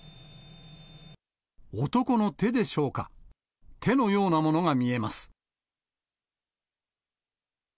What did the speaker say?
男の手でしょうか、手のようなものが見えます。